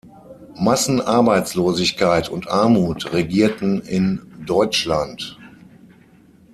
Massenarbeitslosigkeit und Armut regierten in Deutschland.